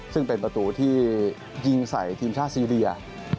ซึ่งเป็นประตูที่ยิงใส่ทีมชาติซีเรีย